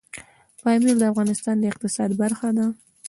پامیر د افغانستان د اقتصاد برخه ده.